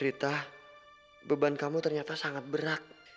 cerita beban kamu ternyata sangat berat